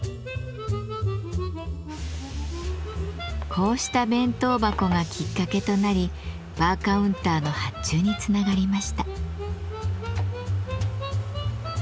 こうした弁当箱がきっかけとなりバーカウンターの発注につながりました。